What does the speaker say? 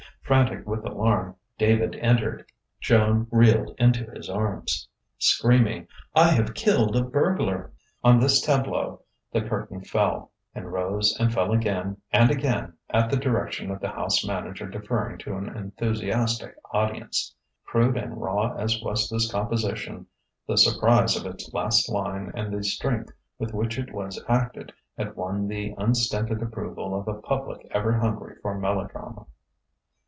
Frantic with alarm, David entered. Joan reeled into his arms, screaming: "I have killed a burglar!" On this tableau the curtain fell and rose and fell again and again at the direction of the house manager deferring to an enthusiastic audience. Crude and raw as was this composition, the surprise of its last line and the strength with which it was acted, had won the unstinted approval of a public ever hungry for melodrama.